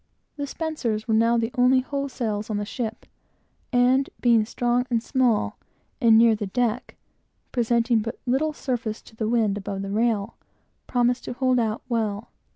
The spencers were now the only whole sails on the ship, and, being strong and small, and near the deck, presenting but little surface to the wind above the rail, promised to hold out well.